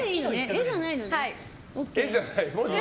絵じゃないのね。